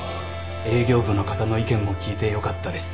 営業部の方の意見も聞いてよかったです。